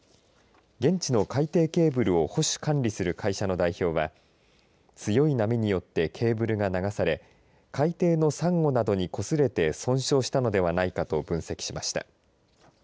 現地の海底ケーブルを保守・管理する会社の代表は強い波によってケーブルが流され海底のサンゴなどにこすれて損傷したのではないかと分析しました。